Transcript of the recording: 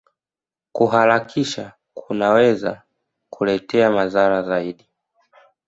Kuharakisha kunaweza kukuletea madhara zaidi